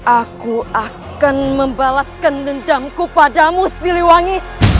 aku akan membalaskan dendamku padamu siliwangi